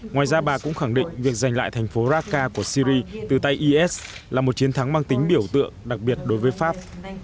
ngoài ra bà cũng khẳng định việc giành lại thành phố rakar của syri từ tay is là một chiến thắng mang tính biểu tượng đặc biệt đối với pháp